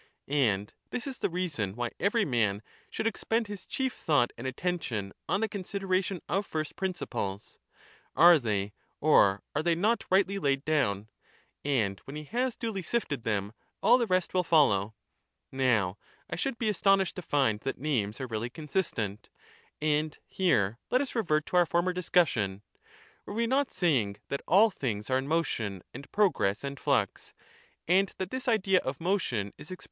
And this is the reason why every man should expend his chief thought and attention on the consideration of first principles: — are they or are they not rightly laid down? and when he has duly sifted them, all the rest will follow. Now I should be astonished to find that names are really consistent. And here let us revert to our former discussion : Were we not saying that all things are in motion and progress and flux, and that this idea of motion is expres.